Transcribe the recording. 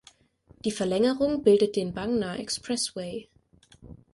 Die Verlängerung bildet den Bang Na Expressway.